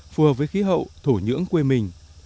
phù hợp với khí hậu thổ nhưỡng quê mình